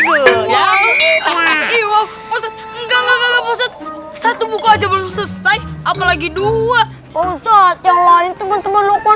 gua iya enggak satu buku aja belum selesai apalagi dua posat yang lain teman teman lo